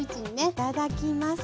いただきます。